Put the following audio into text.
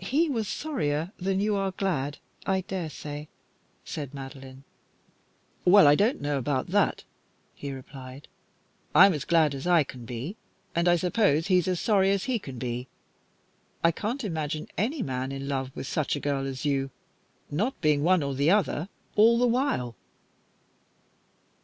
"He was sorrier than you are glad, I dare say, said Madeline. "Well, I don't know about that," he replied; "I'm as glad as I can be, and I suppose he's as sorry as he can be. I can't imagine any man in love with such a girl as you not being one or the other all the while."